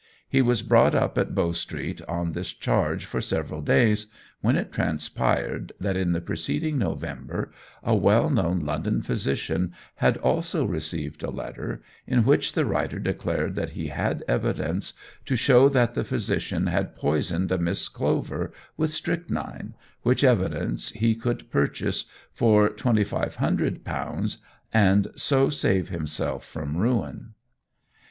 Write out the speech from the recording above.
He was brought up at Bow Street on this charge for several days, when it transpired that in the preceding November a well known London physician had also received a letter, in which the writer declared that he had evidence to show that the physician had poisoned a Miss Clover with strychnine, which evidence he could purchase for £2,500, and so save himself from ruin.